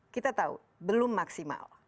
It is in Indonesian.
kita tahu belum maksimal